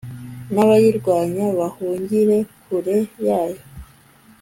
n'abayirwanya bahungire kure yayo